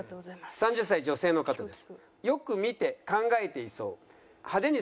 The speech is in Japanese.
３０歳女性の方です。